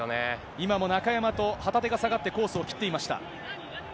今も中山と旗手が下がって、コースを切っていました。